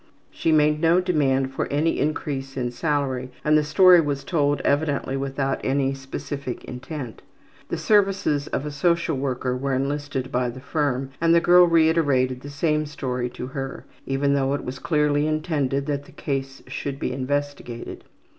She made no demand for any increase of salary and the story was told evidently without any specific intent. The services of a social worker were enlisted by the firm and the girl reiterated the same story to her, even though it was clearly intended that the case should be investigated.